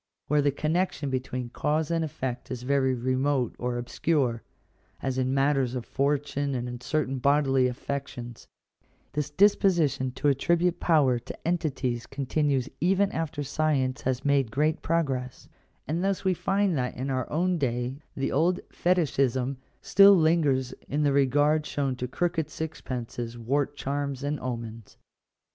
Where the connection between cause and effect is very remote or obscure, as in matters of fortune and in certain bodily affec tions, this disposition to attribute power to entities continues even after science has made great progress ; and thus we find that in our own day the old fetishism still lingers in the regard shown to crooked sixpences, wart charms, and omens.